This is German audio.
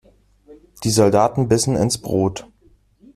Die Soldaten bissen ins Brot.